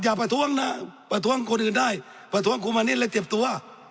อย่าประท้วงนะประท้วงคนอื่นได้ประท้วงคุณมานี่แล้วเจ็บตัว